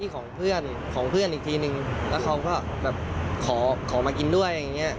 ของเพื่อนของเพื่อนอีกทีนึงแล้วเขาก็แบบขอมากินด้วยอย่างเงี้